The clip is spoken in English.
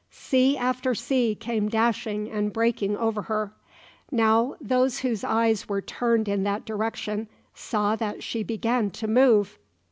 Sea after sea came dashing and breaking over her. Now those whose eyes were turned in that direction saw that she began to move.